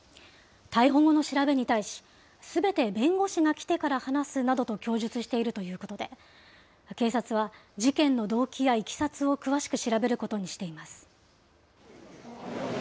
逮捕後の調べに対し、すべて弁護士が来てから話すなどと供述しているということで、警察は事件の動機やいきさつを詳しく調べることにしています。